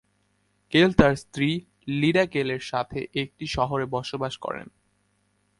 কেল তার স্ত্রী লিন্ডা কেলের সাথে একটি শহরে বসবাস করেন।